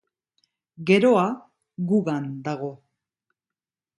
Geroa gugan dago.